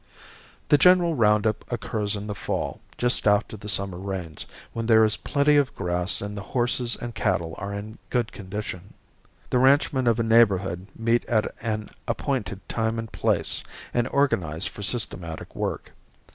The general round up occurs in the fall, just after the summer rains, when there is plenty of grass and the horses and cattle are in good condition. The ranchmen of a neighborhood meet at an appointed time and place and organize for systematic work.